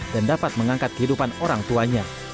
dan dapat mengangkat kehidupan orang tuanya